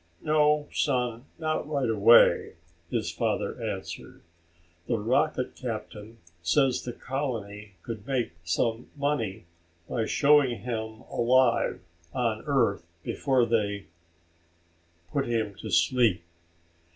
"No, son, not right away," his father answered. "The rocket captain says the colony could make some money by showing him alive on Earth before they put him to sleep."